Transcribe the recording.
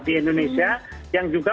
di indonesia yang juga